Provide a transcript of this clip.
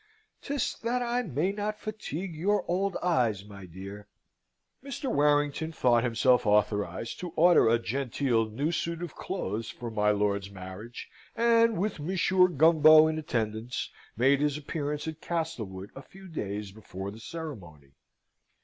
'Tis that I may not fatigue your old eyes, my dear! Mr. Warrington thought himself authorised to order a genteel new suit of clothes for my lord's marriage, and with Mons. Gumbo in attendance, made his appearance at Castlewood a few days before the ceremony.